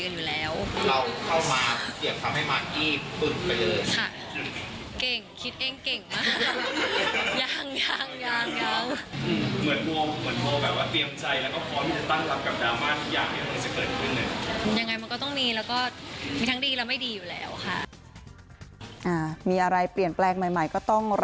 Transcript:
อย่างไรมันก็ต้องมีแล้วก็